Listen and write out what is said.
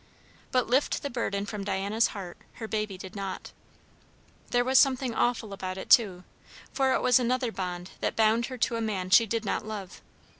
But lift the burden from Diana's heart her baby did not. There was something awful about it, too, for it was another bond that bound her to a man she did not love.